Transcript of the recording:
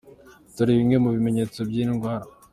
Dore bimwe mu bimenyetso by’iyi ndwara.